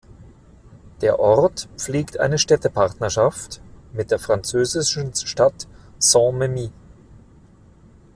Der Ort pflegt eine Städtepartnerschaft mit der französischen Stadt Saint-Memmie.